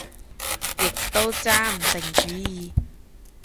亦都揸唔定主意